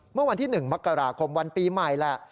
เมื่อวันที่๑มกราคมวันปีใหม่แหละ